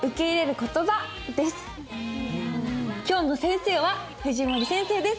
今日の先生は藤森先生です。